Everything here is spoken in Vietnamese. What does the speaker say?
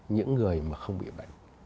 những người mà không bị bệnh